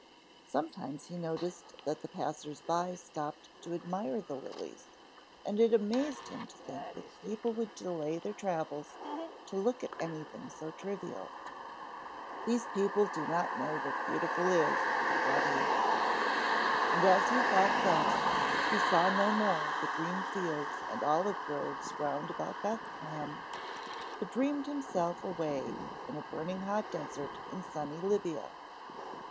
Sometimes he noticed that the passers by stopped to admire the lilies, and it amazed him to think that people would delay their travels to look at anything so trivial. These people do not know what is beautiful, thought he. And as he thought thus, he saw no more the green fields and olive groves round about Bethlehem; but dreamed himself away in a burning hot desert in sunny Libya.